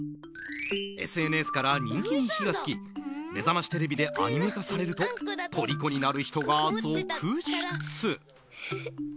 ＳＮＳから人気に火が付き「めざましテレビ」でアニメ化されると虜になる人が続出。